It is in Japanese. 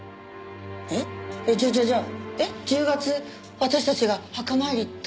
えっ？じゃあじゃあじゃあ１０月私たちが墓参り行った時。